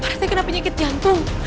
pak retek kenapa sakit jantung